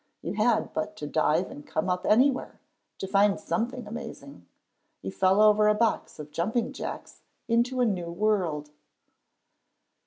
You had but to dive and come up anywhere to find something amazing; you fell over a box of jumping jacks into a new world.